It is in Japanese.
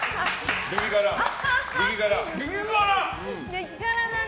激辛！